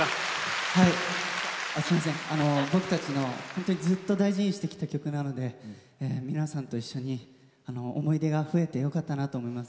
僕たちのずっと大事にしてきた曲なので皆さんと一緒に思い出が増えてよかったなと思います。